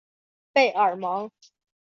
贝尔蒙。